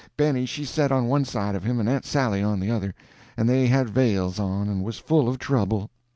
Benny she set on one side of him and Aunt Sally on the other, and they had veils on, and was full of trouble.